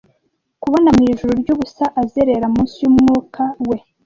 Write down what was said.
kubona mwijuru ryubusa azerera munsi yumwuka we